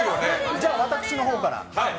じゃあ私のほうから。